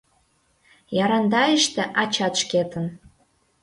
Ярандайыште ачат шкетын.